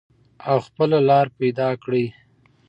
او خپله لار پیدا کړئ.